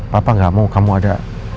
papa ga mau kamu ada